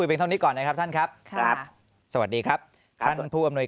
เพียงเท่านี้ก่อนนะครับท่านครับครับสวัสดีครับท่านผู้อำนวย